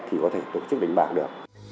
thì có thể tổ chức đánh bạc